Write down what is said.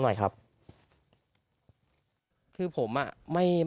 บิ๊กไบท์หรือเปล่าเนี่ย